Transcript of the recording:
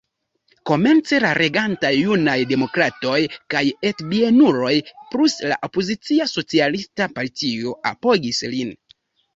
Komence la regantaj Junaj Demokratoj kaj Etbienuloj plus la opozicia Socialista Partio apogis lin.